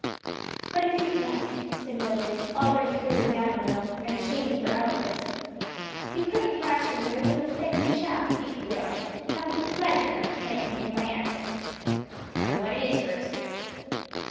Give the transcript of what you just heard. "But it isn't right," said Mildred, already cooling down a little and ashamed of her outburst. "You couldn't thrash him, Ru, but instead you shall, if you will, have the pleasure of carrying him my answer." "Tell me what it is first."